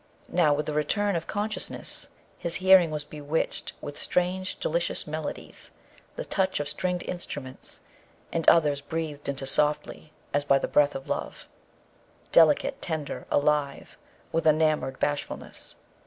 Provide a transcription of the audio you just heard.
Now, with the return of consciousness his hearing was bewitched with strange delicious melodies, the touch of stringed instruments, and others breathed into softly as by the breath of love, delicate, tender, alive with enamoured bashfulness.